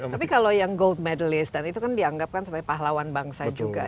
tapi kalau yang gold medalist dan itu kan dianggapkan sebagai pahlawan bangsa juga